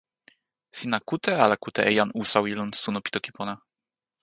sina kute ala kute e jan Usawi lon suno pi toki pona?